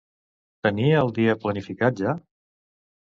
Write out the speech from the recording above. Tenia el dia planificat ja?